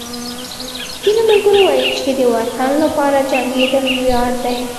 ځینو ملګرو ویل چې د وطن لپاره جنګېدل ویاړ دی